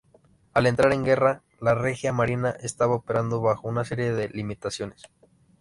Al entrar en guerra, la Regia Marina estaba operando bajo una serie de limitaciones.